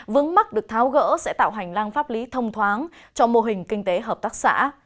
vướng mắt được tháo gỡ sẽ tạo hành lang pháp lý thông thoáng cho mô hình kinh tế hợp tác xã